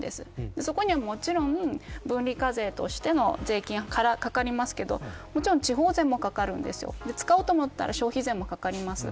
そこには、もちろん分離課税としての税金がかかりますがもちろん地方税もかかりますし使おうと思ったら消費税もかかります。